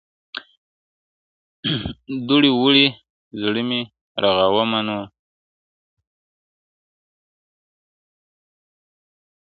• دړي وړي زړه مي رغومه نور ,